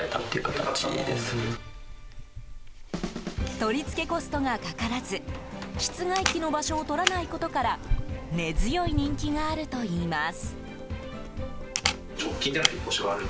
取り付けコストがかからず室外機の場所を取らないことから根強い人気があるといいます。